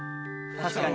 確かに。